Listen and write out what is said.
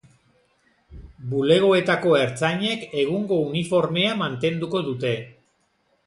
Bulegoetako ertzainek egungo uniformea mantenduko dute.